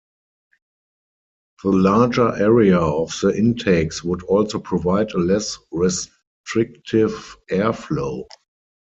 The larger area of the intakes would also provide a less restrictive airflow.